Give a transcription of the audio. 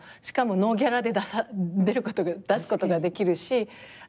しかもノーギャラで出すことができるし。